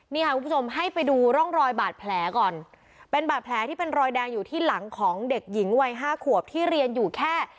นี่ค่ะคุณผู้ชมให้ไปดูร่องรอยบาดแผลก่อนเป็นบาดแผลที่เป็นรอยแดงอยู่ที่หลังของเด็กหญิงวัยห้าขวบที่เรียนอยู่แค่